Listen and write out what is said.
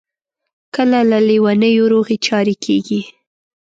کله له لېونیو روغې چارې کیږي.